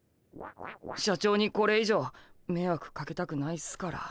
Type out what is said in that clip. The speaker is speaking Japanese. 社長にこれ以上めいわくかけたくないっすから。